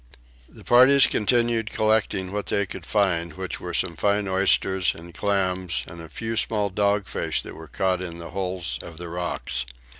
The parties continued collecting what they could find, which were some fine oysters and clams and a few small dog fish that were caught in the holes of the rocks.